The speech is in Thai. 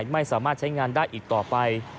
ไม่สามารถใช้งานได้อีกต่อไป